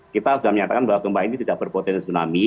kita sudah menyatakan bahwa gempa ini tidak berpotensi tsunami